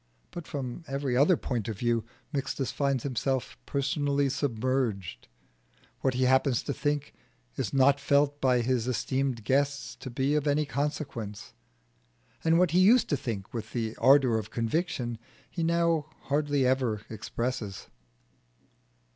But from every other point of view Mixtus finds himself personally submerged: what he happens to think is not felt by his esteemed guests to be of any consequence, and what he used to think with the ardour of conviction he now hardly ever expresses.